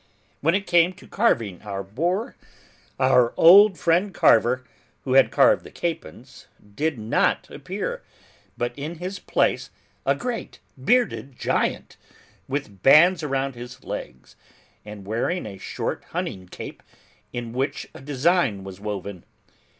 When it came to carving the boar, our old friend Carver, who had carved the capons, did not appear, but in his place a great bearded giant, with bands around his legs, and wearing a short hunting cape in which a design was woven.